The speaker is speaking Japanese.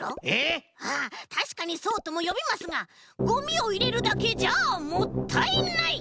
たしかにそうともよびますがゴミをいれるだけじゃもったいない！